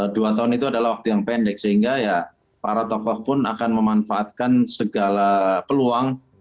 dua tahun itu adalah waktu yang pendek sehingga ya para tokoh pun akan memanfaatkan segala peluang